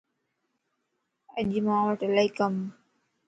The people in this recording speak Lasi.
اڄ مانوٽ الائي ڪمَ